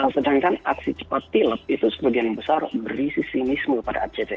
sedangkan aksi cepat tilep itu sebagian besar berisi sinisme pada act